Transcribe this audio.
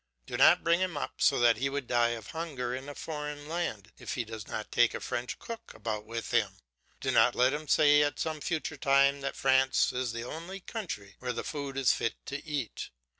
Do not bring him up so that he would die of hunger in a foreign land if he does not take a French cook about with him; do not let him say at some future time that France is the only country where the food is fit to eat.